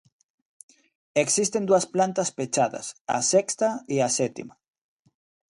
Existen dúas plantas pechadas, a sexta e a sétima.